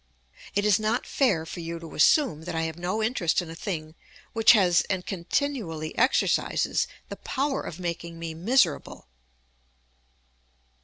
It is not fair for you to assume that I have no interest in a thing which has, and continually exercises, the power of making me miserable."